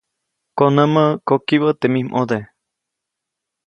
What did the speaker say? Konämä, kokibä teʼ mij ʼmode.